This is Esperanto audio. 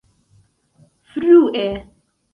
frue